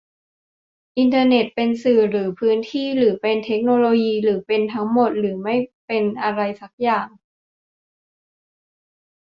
อินเทอร์เน็ตเป็นสื่อ หรือเป็นพื้นที่ หรือเป็นเทคโนโลยี หรือเป็นทั้งหมด หรือไม่เป็นอะไรสักอย่าง ?